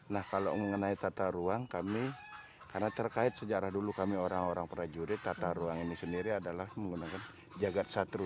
nah kalau mengenai tata ruang kami karena terkait sejarah dulu kami orang orang prajurit tata ruang ini sendiri adalah menggunakan jagad satru